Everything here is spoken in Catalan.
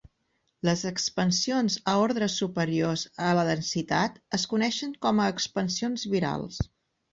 Les expansions a ordres superiors a la densitat es coneixen com a expansions virals.